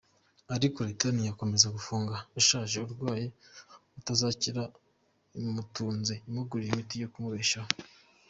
Ariko Leta ntiyakomeza gufunga ushaje, urwaye utazakira imutunze, imugurira imiti yo kumubeshaho.